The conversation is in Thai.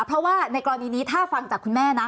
เพราะว่าในกรณีนี้ถ้าฟังจากคุณแม่นะ